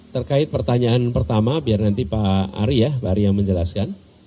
terkait pertanyaan pertama biar nanti pak ari ya pak ari yang menjelaskan